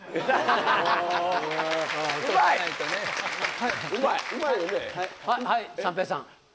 はい三平さん。